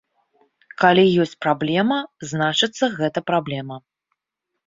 Калі ёсць праблема, значыцца, гэта праблема.